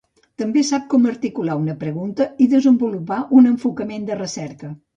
També sap com articular una pregunta i desenvolupar un enfocament de recerca.